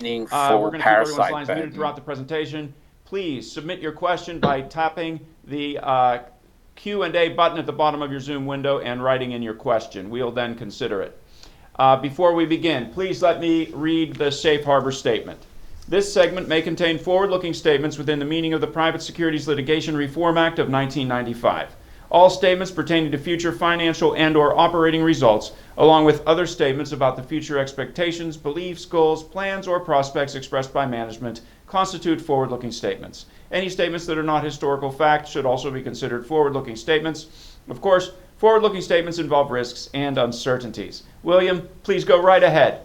for parasite burden We're going to keep everybody's lines muted throughout the presentation. Please submit your question by tapping the Q&A button at the bottom of your Zoom window and writing in your question. We will then consider it. Before we begin, please let me read the safe harbor statement. This segment may contain forward-looking statements within the meaning of the Private Securities Litigation Reform Act of 1995. All statements pertaining to future financial and/or operating results, along with other statements about the future expectations, beliefs, goals, plans, or prospects expressed by management, constitute forward-looking statements. Any statements that are not historical facts should also be considered forward-looking statements. Of course, forward-looking statements involve risks and uncertainties. William, please go right ahead.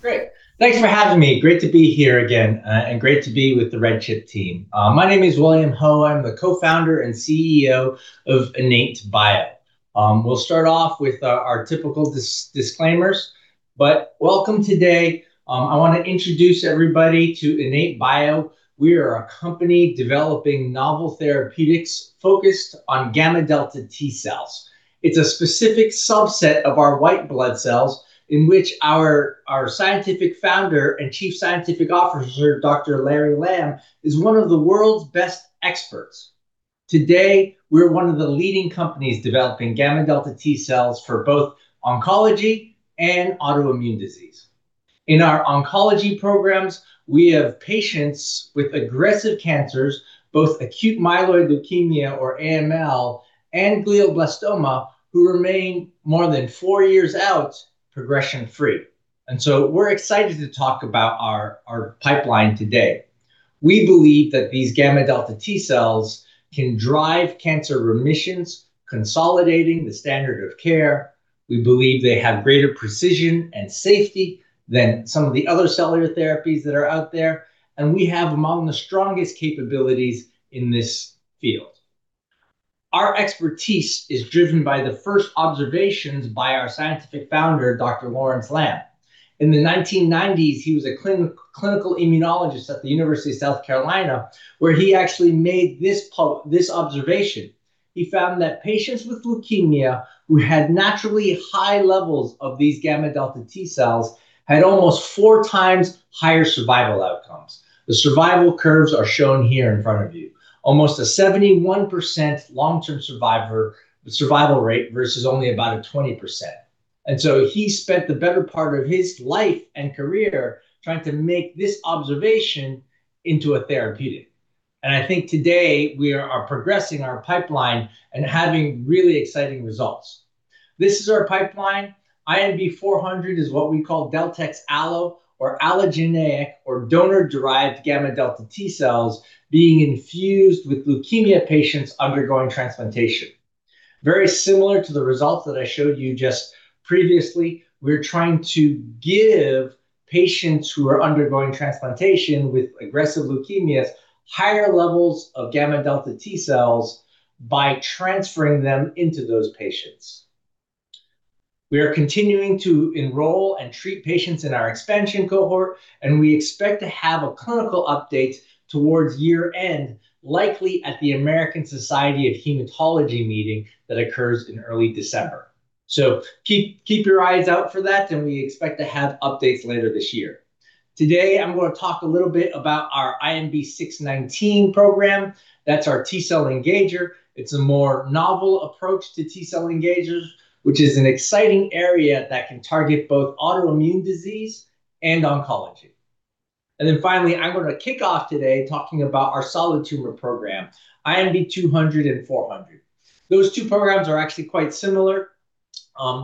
Great. Thanks for having me. Great to be here again, and great to be with the RedChip team. My name is William Ho. I'm the co-founder and Chief Executive Officer of IN8bio. We'll start off with our typical disclaimers, but welcome today. I want to introduce everybody to IN8bio. We are a company developing novel therapeutics focused on gamma delta T cells. It's a specific subset of our white blood cells in which our scientific founder and Chief Scientific Officer, Dr. Larry Lamb, is one of the world's best experts. Today, we're one of the leading companies developing gamma delta T cells for both oncology and autoimmune disease. In our oncology programs, we have patients with aggressive cancers, both acute myeloid leukemia, or AML, and glioblastoma, who remain more than four years out progression-free. We're excited to talk about our pipeline today. We believe that these gamma delta T cells can drive cancer remissions, consolidating the standard of care. We believe they have greater precision and safety than some of the other cellular therapies that are out there, and we have among the strongest capabilities in this field. Our expertise is driven by the first observations by our scientific founder, Dr. Lawrence Lamb. In the 1990s, he was a clinical immunologist at the University of South Carolina, where he actually made this observation. He found that patients with leukemia who had naturally high levels of these gamma delta T cells had almost four times higher survival outcomes. The survival curves are shown here in front of you. Almost a 71% long-term survival rate versus only about a 20%. He spent the better part of his life and career trying to make this observation into a therapeutic. I think today, we are progressing our pipeline and having really exciting results. This is our pipeline. INB-400 is what we call DeltEx Allo, or allogeneic, or donor-derived gamma-delta T cells being infused with leukemia patients undergoing transplantation. Very similar to the results that I showed you just previously, we're trying to give patients who are undergoing transplantation with aggressive leukemias higher levels of gamma-delta T cells by transferring them into those patients. We are continuing to enroll and treat patients in our expansion cohort, and we expect to have a clinical update towards year-end, likely at the American Society of Hematology meeting that occurs in early December. Keep your eyes out for that, and we expect to have updates later this year. Today, I'm going to talk a little bit about our INB-619 program. That's our T-cell engager. It's a more novel approach to T cell engagers, which is an exciting area that can target both autoimmune disease and oncology. Finally, I'm going to kick off today talking about our solid tumor program, INB 200 and INB 400. Those two programs are actually quite similar.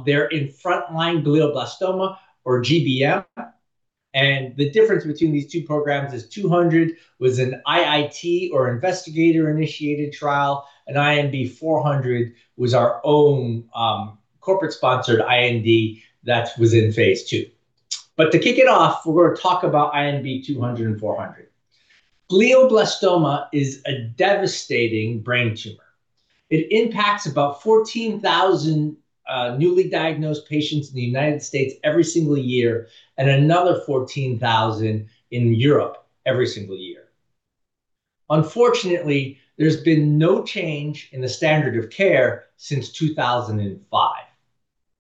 They're in frontline glioblastoma or GBM, and the difference between these two programs is 200 was an IIT, or investigator-initiated trial, and INB 400 was our own corporate-sponsored IND that was in phase II. To kick it off, we're going to talk about INB 200 and INB 400. Glioblastoma is a devastating brain tumor. It impacts about 14,000 newly diagnosed patients in the United States every single year and another 14,000 in Europe every single year. Unfortunately, there's been no change in the standard of care since 2005.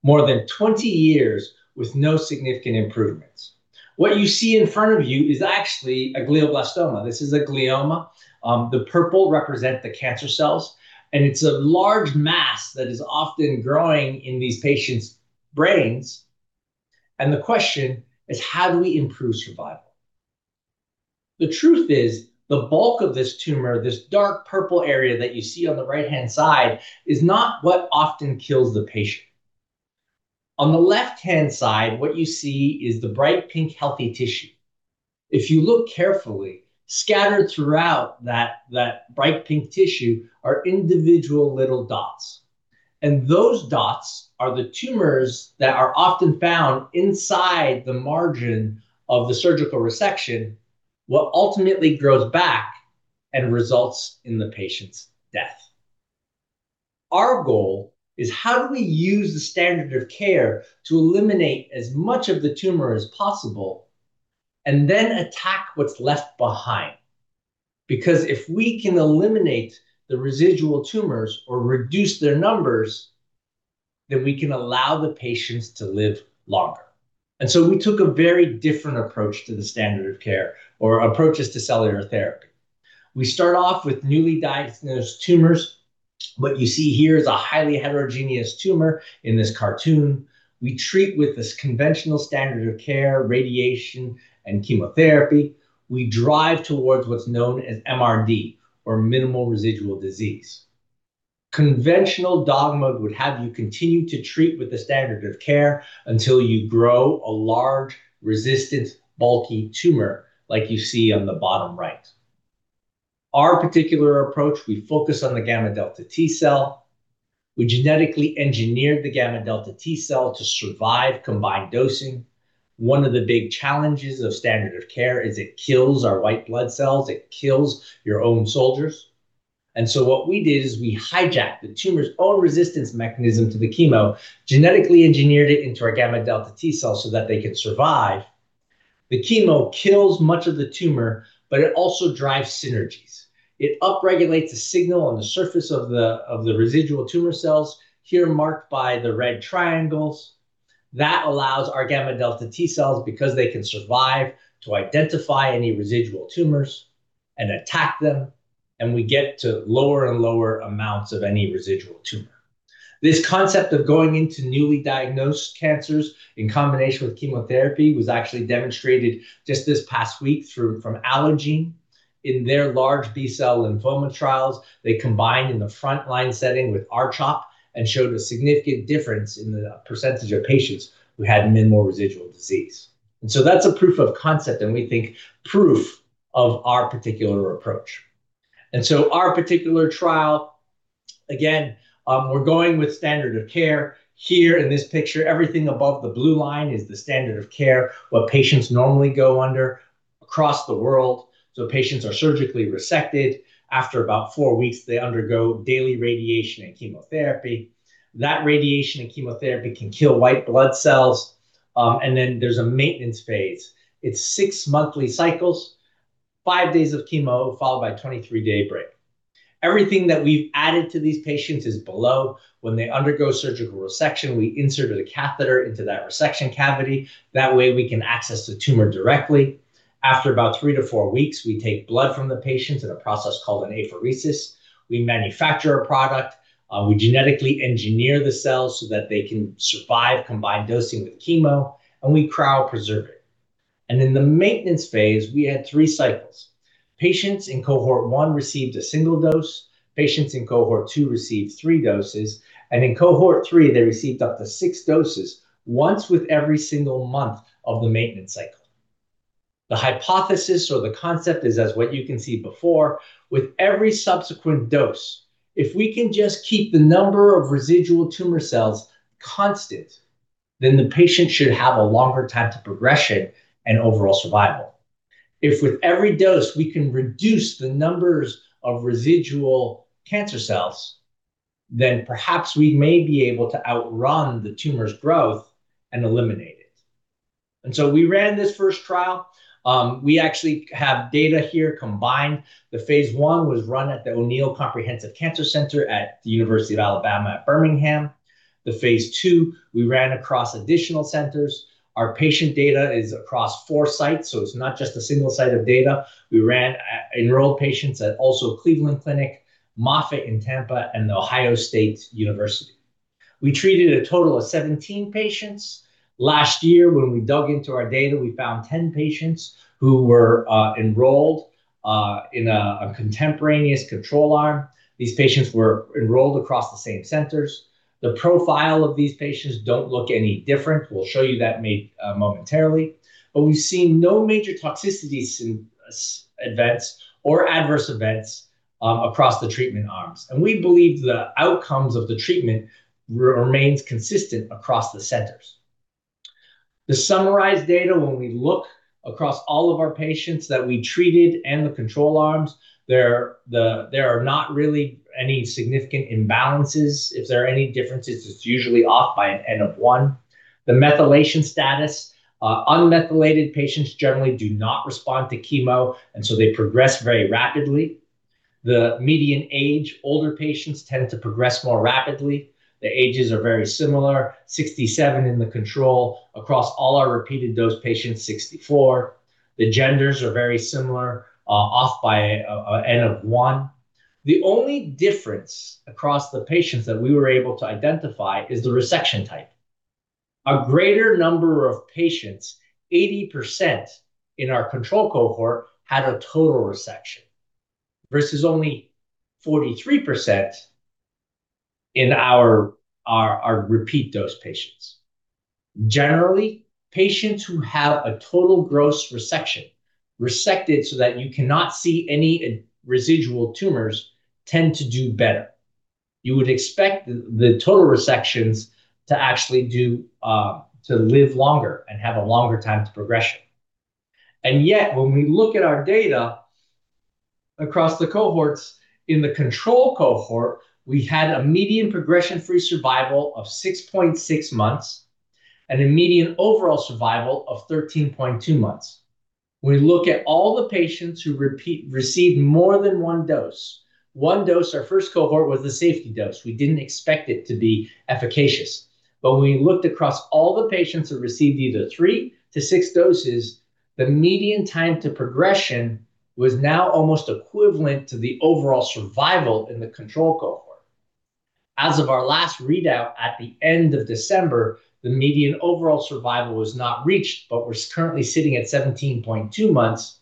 More than 20 years with no significant improvements. What you see in front of you is actually a glioblastoma. This is a glioma. The purple represent the cancer cells, and it's a large mass that is often growing in these patients' brains. The question is, how do we improve survival? The truth is, the bulk of this tumor, this dark purple area that you see on the right-hand side, is not what often kills the patient. On the left-hand side, what you see is the bright pink healthy tissue. If you look carefully, scattered throughout that bright pink tissue are individual little dots, and those dots are the tumors that are often found inside the margin of the surgical resection, what ultimately grows back and results in the patient's death. Our goal is how do we use the standard of care to eliminate as much of the tumor as possible and then attack what's left behind? Because if we can eliminate the residual tumors or reduce their numbers, that we can allow the patients to live longer. We took a very different approach to the standard of care or approaches to cellular therapy. We start off with newly diagnosed tumors. What you see here is a highly heterogeneous tumor in this cartoon. We treat with this conventional standard of care, radiation, and chemotherapy. We drive towards what's known as MRD, or minimal residual disease. Conventional dogma would have you continue to treat with the standard of care until you grow a large, resistant, bulky tumor like you see on the bottom right. Our particular approach, we focus on the gamma-delta T cell. We genetically engineered the gamma-delta T cell to survive combined dosing. One of the big challenges of standard of care is it kills our white blood cells. It kills your own soldiers. What we did is we hijacked the tumor's own resistance mechanism to the chemo, genetically engineered it into our gamma-delta T cells so that they could survive. The chemo kills much of the tumor, but it also drives synergies. It upregulates a signal on the surface of the residual tumor cells, here marked by the red triangles. That allows our gamma-delta T cells, because they can survive, to identify any residual tumors and attack them, and we get to lower and lower amounts of any residual tumor. This concept of going into newly diagnosed cancers in combination with chemotherapy was actually demonstrated just this past week from Allogene. In their large B-cell lymphoma trials, they combined in the frontline setting with R-CHOP and showed a significant difference in the percentage of patients who had minimal residual disease. That's a proof of concept, and we think, proof of our particular approach. Our particular trial, again, we're going with standard of care. Here in this picture, everything above the blue line is the standard of care, what patients normally undergo across the world. Patients are surgically resected. After about four weeks, they undergo daily radiation and chemotherapy. That radiation and chemotherapy can kill white blood cells. Then there's a maintenance phase. It's six monthly cycles, five days of chemo, followed by a 23-day break. Everything that we've added to these patients is below. When they undergo surgical resection, we insert a catheter into that resection cavity. That way, we can access the tumor directly. After about three to four weeks, we take blood from the patients in a process called an apheresis. We manufacture a product. We genetically engineer the cells so that they can survive combined dosing with chemo, and we cryopreserve it. In the maintenance phase, we had three cycles. Patients in cohort 1 received a single dose, patients in cohort 2 received three doses, and in cohort 3, they received up to six doses, once with every single month of the maintenance cycle. The hypothesis or the concept is as what you can see before. With every subsequent dose, if we can just keep the number of residual tumor cells constant, then the patient should have a longer time to progression and overall survival. If with every dose, we can reduce the numbers of residual cancer cells, then perhaps we may be able to outrun the tumor's growth and eliminate it. We ran this first trial. We actually have data here combined. The phase I was run at the O'Neal Comprehensive Cancer Center at the University of Alabama at Birmingham. The phase II, we ran across additional centers. Our patient data is across four sites, so it's not just a single site of data. We also enrolled patients at Cleveland Clinic, Moffitt Cancer Center in Tampa, and The Ohio State University. We treated a total of 17 patients. Last year, when we dug into our data, we found 10 patients who were enrolled in a contemporaneous control arm. These patients were enrolled across the same centers. The profile of these patients don't look any different. We'll show you that momentarily. We've seen no major toxicities events or adverse events across the treatment arms. We believe the outcomes of the treatment remains consistent across the centers. The summarized data, when we look across all of our patients that we treated and the control arms, there are not really any significant imbalances. If there are any differences, it's usually off by an N of 1. The methylation status, unmethylated patients generally do not respond to chemo, and so they progress very rapidly. The median age, older patients tend to progress more rapidly. The ages are very similar, 67 in the control. Across all our repeated dose patients, 64. The genders are very similar, off by an N of 1. The only difference across the patients that we were able to identify is the resection type. A greater number of patients, 80% in our control cohort, had a total resection, versus only 43% in our repeat dose patients. Generally, patients who have a total gross resection, resected so that you cannot see any residual tumors, tend to do better. You would expect the total resections to live longer and have a longer time to progression. Yet, when we look at our data across the cohorts, in the control cohort, we had a median progression-free survival of 6.6 months and a median overall survival of 13.2 months. When we look at all the patients who received more than one dose, one dose our first cohort, was the safety dose. We didn't expect it to be efficacious. When we looked across all the patients who received either three to six doses, the median time to progression was now almost equivalent to the overall survival in the control cohort. As of our last readout at the end of December, the median overall survival was not reached, but we're currently sitting at 17.2 months,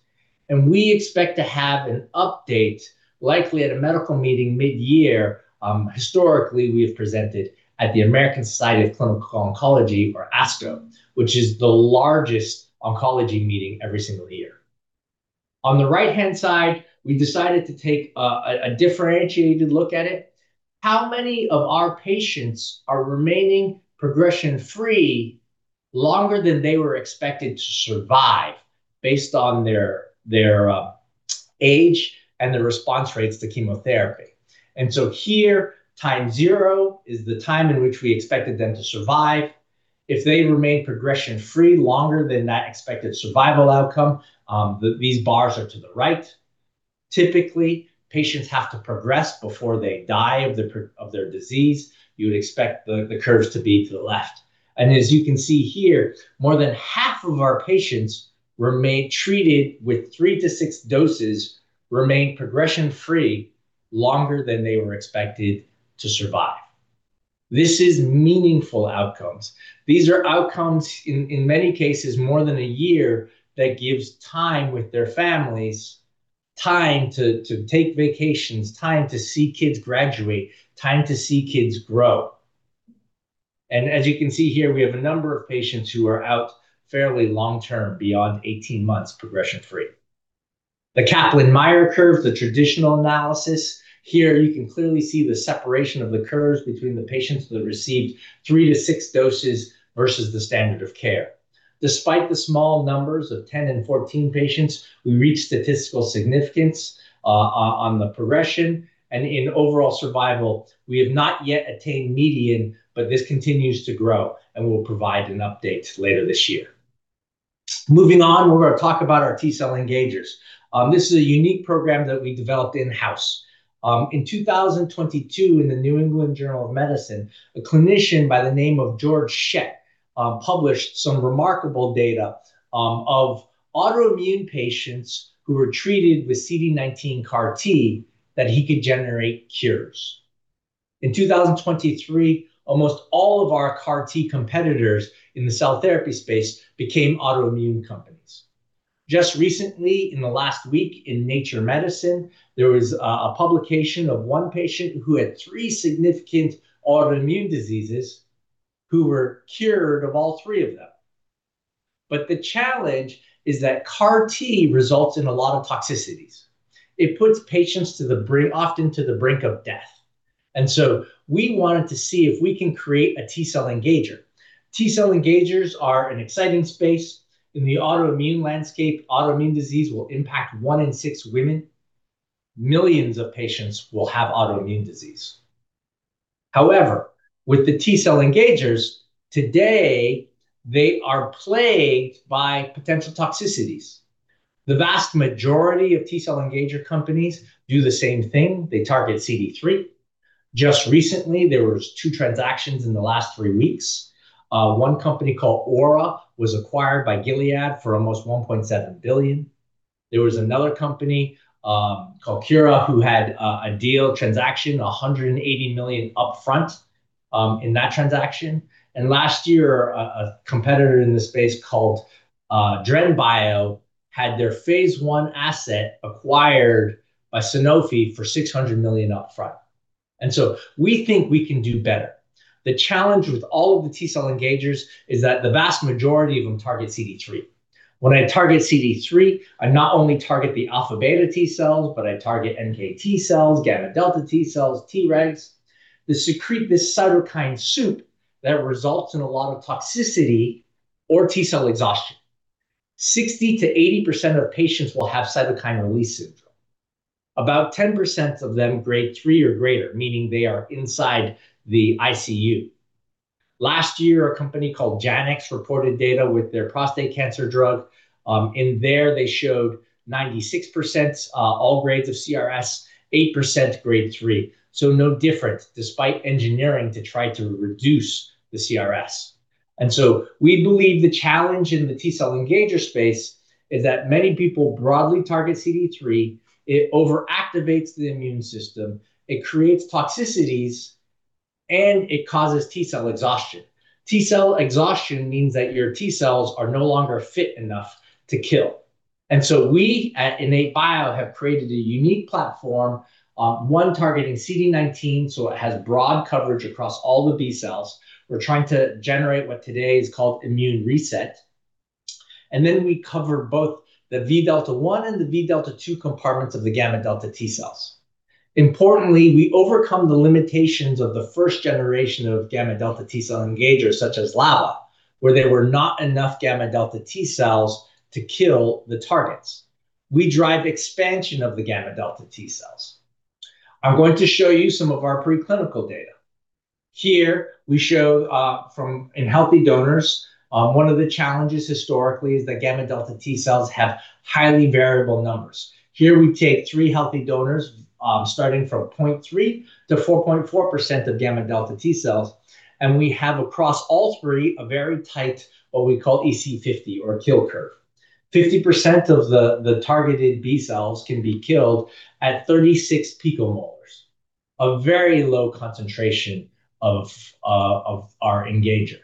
and we expect to have an update, likely at a medical meeting mid-year. Historically, we have presented at the American Society of Clinical Oncology, or ASCO, which is the largest oncology meeting every single year. On the right-hand side, we decided to take a differentiated look at it. How many of our patients are remaining progression free longer than they were expected to survive based on their age and their response rates to chemotherapy? Here, time zero is the time in which we expected them to survive. If they remain progression free longer than that expected survival outcome, these bars are to the right. Typically, patients have to progress before they die of their disease. You would expect the curves to be to the left. As you can see here, more than half of our patients treated with three to six doses remain progression free longer than they were expected to survive. This is meaningful outcomes. These are outcomes, in many cases more than a year, that gives time with their families, time to take vacations, time to see kids graduate, time to see kids grow. As you can see here, we have a number of patients who are out fairly long-term, beyond 18 months progression free. The Kaplan-Meier curve, the traditional analysis. Here you can clearly see the separation of the curves between the patients that have received three to six doses versus the standard of care. Despite the small numbers of 10 and 14 patients, we reached statistical significance on the progression and in overall survival. We have not yet attained median, but this continues to grow, and we'll provide an update later this year. Moving on, we're going to talk about our T-cell engagers. This is a unique program that we developed in-house. In 2022, in the New England Journal of Medicine, a clinician by the name of Georg Schett published some remarkable data of autoimmune patients who were treated with CD19 CAR T that he could generate cures. In 2023, almost all of our CAR T competitors in the cell therapy space became autoimmune companies. Just recently, in the last week in Nature Medicine, there was a publication of one patient who had three significant autoimmune diseases who were cured of all three of them. The challenge is that CAR T results in a lot of toxicities. It puts patients often to the brink of death. We wanted to see if we can create a T-cell engager. T-cell engagers are an exciting space in the autoimmune landscape. Autoimmune disease will impact one in six women. Millions of patients will have autoimmune disease. However, with the T-cell engagers, today they are plagued by potential toxicities. The vast majority of T-cell engager companies do the same thing. They target CD3. Just recently, there were two transactions in the last three weeks. One company called Ouro was acquired by Gilead for almost $1.7 billion. There was another company, called Curon, who had a deal transaction, $180 million upfront in that transaction. Last year, a competitor in this space called Dren Bio had their phase I asset acquired by Sanofi for $600 million upfront. We think we can do better. The challenge with all of the T-cell engagers is that the vast majority of them target CD3. When I target CD3, I not only target the alpha-beta T cells, but I target NKT cells, gamma-delta T cells, Tregs. They secrete this cytokine soup that results in a lot of toxicity or T-cell exhaustion. 60%-80% of patients will have cytokine release syndrome. About 10% of them grade 3 or greater, meaning they are inside the ICU. Last year, a company called Janux reported data with their prostate cancer drug. In there, they showed 96% all grades of CRS, 8% grade 3. No different, despite engineering to try to reduce the CRS. We believe the challenge in the T-cell engager space is that many people broadly target CD3. It overactivates the immune system, it creates toxicities, and it causes T-cell exhaustion. T-cell exhaustion means that your T cells are no longer fit enough to kill. We at IN8bio have created a unique platform, one targeting CD19, so it has broad coverage across all the B cells. We're trying to generate what today is called immune reset. We cover both the Vδ1 and the Vδ2 compartments of the gamma-delta T cells. Importantly, we overcome the limitations of the first generation of gamma-delta T cell engagers such as LAVA, where there were not enough gamma-delta T cells to kill the targets. We drive expansion of the gamma-delta T cells. I'm going to show you some of our preclinical data. Here, we show in healthy donors, one of the challenges historically is that gamma-delta T cells have highly variable numbers. Here we take three healthy donors, starting from 0.3%-4.4% of gamma-delta T cells, and we have, across all three, a very tight, what we call EC50 or kill curve. 50% of the targeted B cells can be killed at 36 picomolars, a very low concentration of our engager.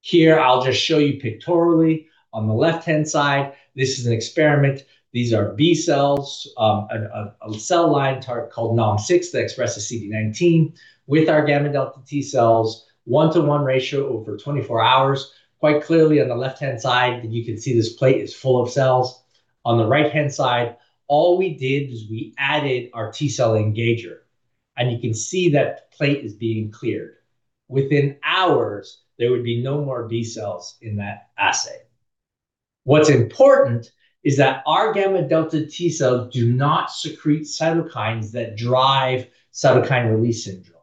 Here, I'll just show you pictorially. On the left-hand side, this is an experiment. These are B cells, a cell line called NALM-6 that expresses CD19 with our gamma delta T cells, one-to-one ratio over 24 hours. Quite clearly, on the left-hand side, you can see this plate is full of cells. On the right-hand side, all we did is we added our T cell engager, and you can see that plate is being cleared. Within hours, there would be no more B cells in that assay. What's important is that our gamma delta T cells do not secrete cytokines that drive cytokine release syndrome.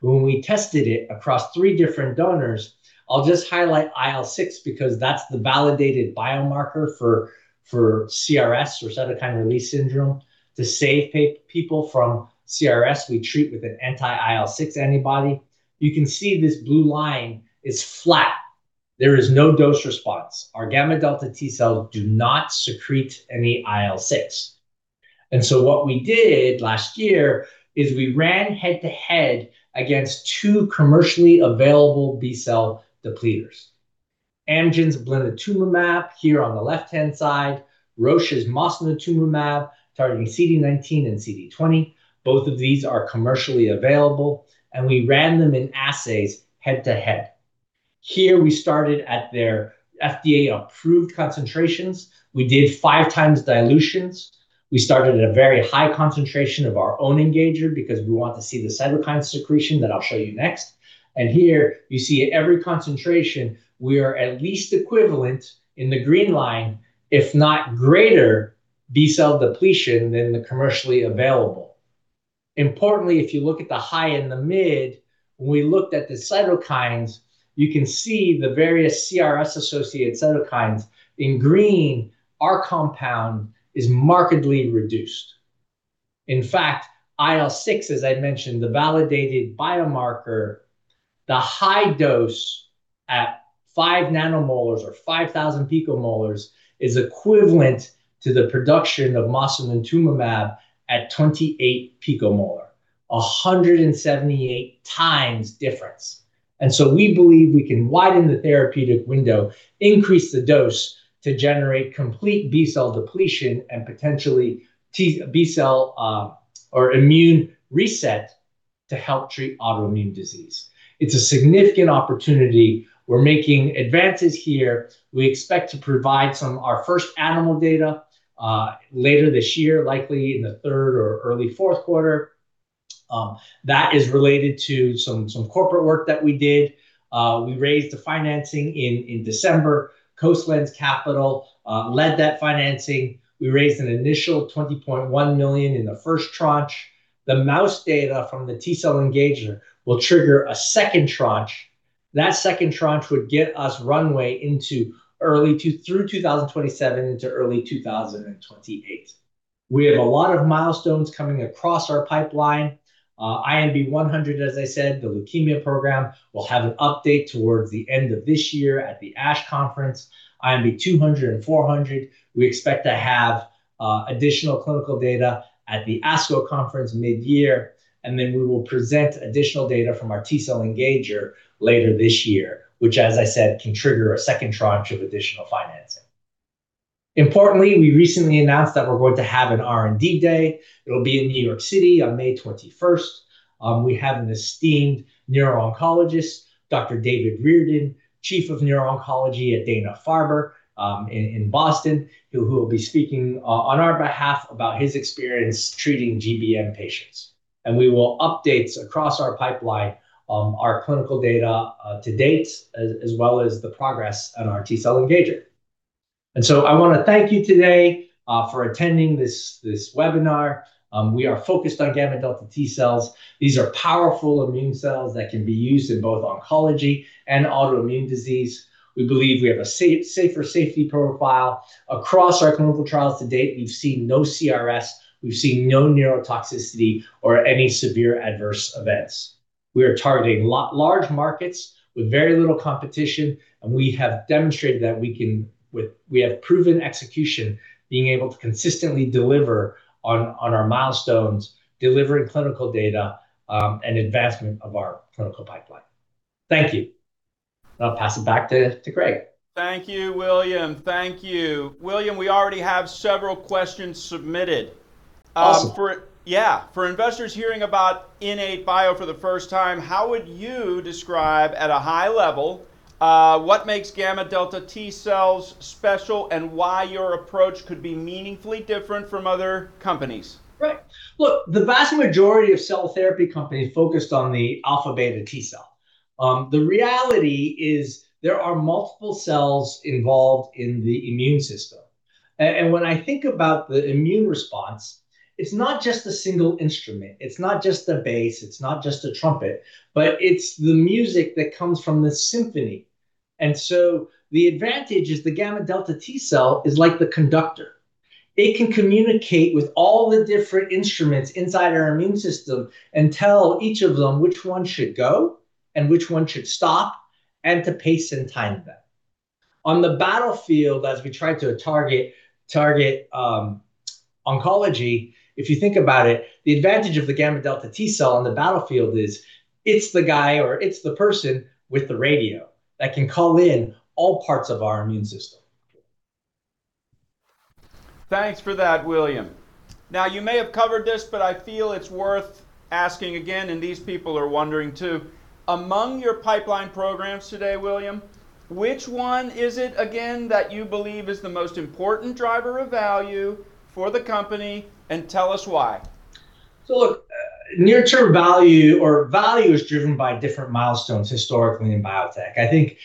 When we tested it across three different donors, I'll just highlight IL-6 because that's the validated biomarker for CRS or cytokine release syndrome. To save people from CRS, we treat with an anti-IL-6 antibody. You can see this blue line is flat. There is no dose response. Our gamma delta T cells do not secrete any IL-6. What we did last year is we ran head-to-head against two commercially available B-cell depleters. Amgen's blinatumomab here on the left-hand side, Roche's mosunetuzumab, targeting CD19 and CD20. Both of these are commercially available. We ran them in assays head-to-head. Here, we started at their FDA-approved concentrations. We did 5x dilutions. We started at a very high concentration of our own engager because we want to see the cytokine secretion that I'll show you next. Here you see at every concentration, we are at least equivalent in the green line, if not greater B-cell depletion than the commercially available. Importantly, if you look at the high and the mid, when we looked at the cytokines, you can see the various CRS-associated cytokines. In green, our compound is markedly reduced. In fact, IL-6, as I mentioned, the validated biomarker, the high dose at 5 nanomolars or 5,000 picomolars is equivalent to the production of mosunetuzumab at 28 picomolar, 178x difference. We believe we can widen the therapeutic window, increase the dose to generate complete B cell depletion and potentially B cell or immune reset to help treat autoimmune disease. It's a significant opportunity. We're making advances here. We expect to provide some of our first animal data later this year, likely in the third or early fourth quarter. That is related to some corporate work that we did. We raised the financing in December. Coastlands Capital led that financing. We raised an initial $20.1 million in the first tranche. The mouse data from the T-cell engager will trigger a second tranche. That second tranche would get us runway through 2027 into early 2028. We have a lot of milestones coming across our pipeline. INB-100, as I said, the leukemia program, will have an update towards the end of this year at the ASH Conference. INB-200 and INB-400, we expect to have additional clinical data at the ASCO conference mid-year, and then we will present additional data from our T-cell engager later this year, which, as I said, can trigger a second tranche of additional financing. Importantly, we recently announced that we're going to have an R&D day. It'll be in New York City on May 21st. We have an esteemed neuro-oncologist, Dr. David Reardon, Chief of Neuro-Oncology at Dana-Farber in Boston, who will be speaking on our behalf about his experience treating GBM patients. We will update across our pipeline, our clinical data to date, as well as the progress on our T-cell engager. I want to thank you today for attending this webinar. We are focused on gamma delta T cells. These are powerful immune cells that can be used in both oncology and autoimmune disease. We believe we have a safer safety profile. Across our clinical trials to date, we've seen no CRS, we've seen no neurotoxicity or any severe adverse events. We are targeting large markets with very little competition, and we have demonstrated that we have proven execution, being able to consistently deliver on our milestones, delivering clinical data, and advancement of our clinical pipeline. Thank you, I'll pass it back to Greg. Thank you, William. Thank you. William, we already have several questions submitted. Awesome. Yeah. For investors hearing about IN8bio for the first time, how would you describe, at a high level, what makes gamma-delta T cells special and why your approach could be meaningfully different from other companies? Right. Look, the vast majority of cell therapy companies focused on the alpha-beta T cell. The reality is there are multiple cells involved in the immune system. When I think about the immune response, it's not just a single instrument. It's not just a bass, it's not just a trumpet, but it's the music that comes from the symphony. The advantage is the gamma-delta T cell is like the conductor. It can communicate with all the different instruments inside our immune system and tell each of them which one should go and which one should stop, and to pace and time them. On the battlefield, as we try to target oncology, if you think about it, the advantage of the gamma delta T cell on the battlefield is it's the guy or it's the person with the radio that can call in all parts of our immune system. Thanks for that, William. Now, you may have covered this, but I feel it's worth asking again, and these people are wondering too. Among your pipeline programs today, William, which one is it again that you believe is the most important driver of value for the company? Tell us why. Look, near-term value or value is driven by different milestones historically in biotech. I think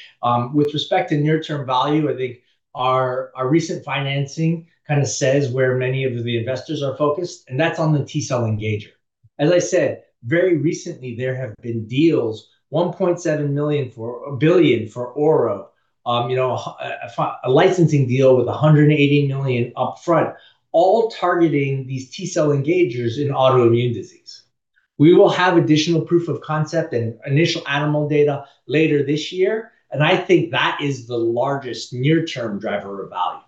with respect to near-term value, I think our recent financing kind of says where many of the investors are focused, and that's on the T cell engager. As I said, very recently there have been deals, $1.7 billion for Ouro, a licensing deal with $180 million up front, all targeting these T cell engagers in autoimmune disease. We will have additional proof of concept and initial animal data later this year, and I think that is the largest near-term driver of value.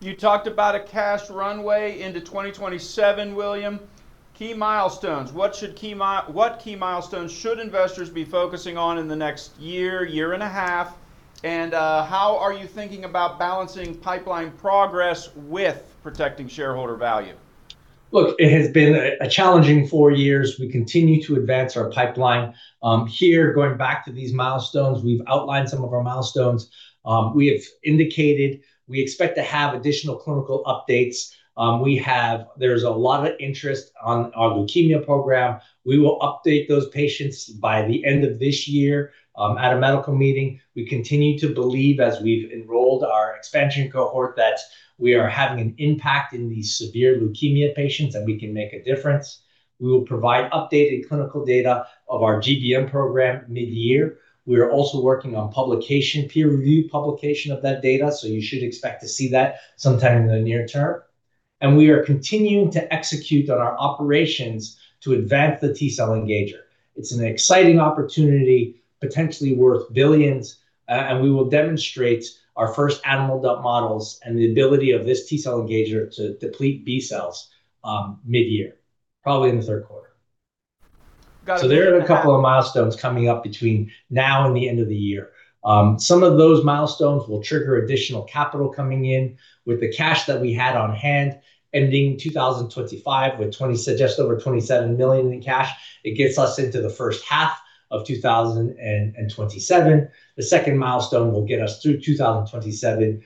You talked about a cash runway into 2027, William. Key milestones. What key milestones should investors be focusing on in the next year and a half? How are you thinking about balancing pipeline progress with protecting shareholder value? Look, it has been a challenging four years. We continue to advance our pipeline. Here, going back to these milestones, we've outlined some of our milestones. We have indicated we expect to have additional clinical updates. There's a lot of interest on our leukemia program. We will update those patients by the end of this year at a medical meeting. We continue to believe, as we've enrolled our expansion cohort, that we are having an impact in these severe leukemia patients, and we can make a difference. We will provide updated clinical data of our GBM program mid-year. We are also working on peer review publication of that data, so you should expect to see that sometime in the near term. We are continuing to execute on our operations to advance the T cell engager. It's an exciting opportunity, potentially worth billions. We will demonstrate our first animal models and the ability of this T-cell engager to deplete B cells mid-year, probably in the third quarter. Got you. There are a couple of milestones coming up between now and the end of the year. Some of those milestones will trigger additional capital coming in with the cash that we had on hand ending 2025 with just over $27 million in cash. It gets us into the first half of 2027. The second milestone will get us through 2027,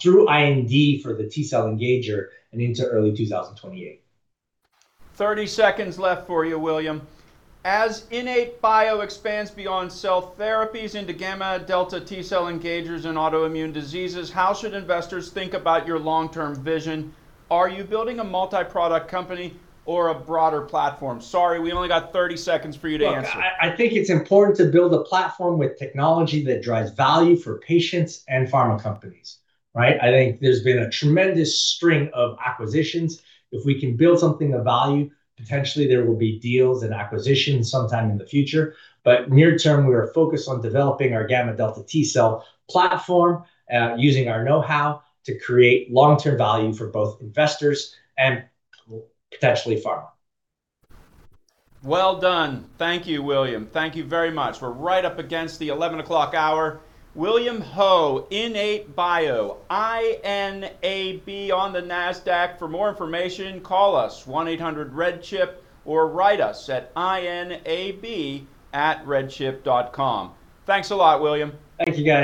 through IND for the T-cell engager and into early 2028. 30 seconds left for you, William. As IN8bio expands beyond cell therapies into gamma-delta T cell engagers and autoimmune diseases, how should investors think about your long-term vision? Are you building a multi-product company or a broader platform? Sorry, we only got 30 seconds for you to answer. Look, I think it's important to build a platform with technology that drives value for patients and pharma companies, right? I think there's been a tremendous string of acquisitions. If we can build something of value, potentially there will be deals and acquisitions sometime in the future. Near term, we are focused on developing our gamma delta T cell platform using our knowhow to create long-term value for both investors and potentially pharma. Well done. Thank you, William. Thank you very much. We're right up against the 11 o'clock hour. William Ho, IN8bio, INAB on the Nasdaq. For more information, call us 1-800-RED-CHIP, or write us at inab@redchip.com. Thanks a lot, William. Thank you, guys.